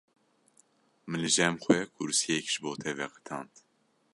Min li cem xwe kursiyek ji bo te veqetand.